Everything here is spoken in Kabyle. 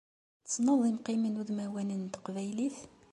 Tessneḍ imqimen udmawanen n teqbaylit?